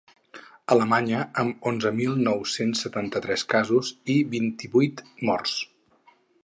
Alemanya, amb onzen mil nou-cents setanta-tres casos i vint-i-vuit morts.